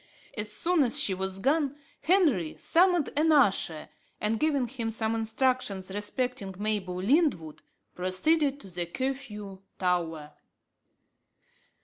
As soon as she was gone, Henry summoned an usher, and giving him some instructions respecting Mabel Lyndwood, proceeded to the Curfew Tower.